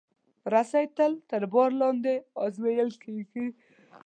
رسۍ تل تر بار لاندې ازمېیل کېږي.